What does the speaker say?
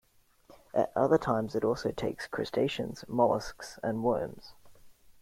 At other times it also takes crustaceans, molluscs and worms.